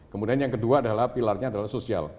kemudian yang kedua adalah pilarnya adalah sosial